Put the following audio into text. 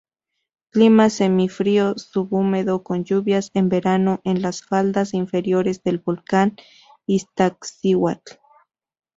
Clima semifrío subhúmedo con lluvias en verano en las faldas inferiores del volcán Iztaccíhuatl.